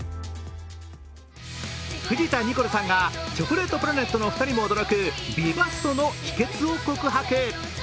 藤田ニコルさんがチョコレートプラネットの２人も驚く美バストの秘けつを告白。